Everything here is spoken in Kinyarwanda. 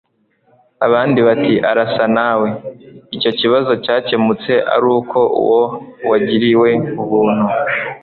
Abandi bati : arasa nawe. Icyo kibazo cyakemutse ari uko uwo wagiriwe ubuntu